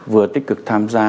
vừa tích cực tham gia